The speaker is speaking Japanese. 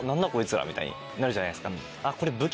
みたいになるじゃないですか。